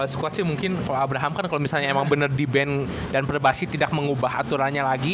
squad sih mungkin kalau abraham kan kalau misalnya emang bener di ban dan berbasi tidak mengubah aturannya lagi